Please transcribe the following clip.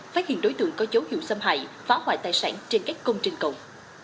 phát hiện đối tượng có dấu hiệu xâm hại phá hoại tài sản trên các công trình cộng